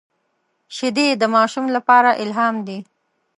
شیدې د ماشوم لپاره الهام دي